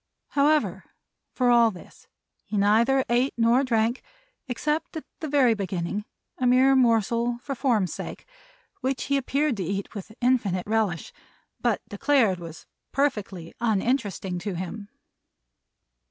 However, for all this, he neither ate nor drank, except at the very beginning, a mere morsel for form's sake, which he appeared to eat with infinite relish, but declared was perfectly uninteresting to him.